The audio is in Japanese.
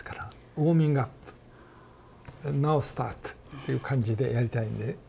「ウオーミングアップ」「ナウスタート」っていう感じでやりたいんで。